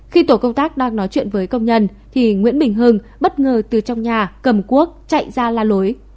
khi tổ công tác đang nói chuyện với công nhân thì nguyễn bình hưng bất ngờ từ trong nhà cầm cuốc chạy ra la lối